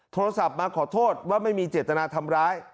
โทรศัพท์มาขอโทษว่าไม่มีเจตนาทำร้าย